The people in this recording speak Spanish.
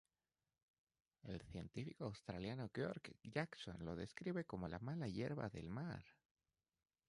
El científico australiano George Jackson los describe como "la mala hierba del mar.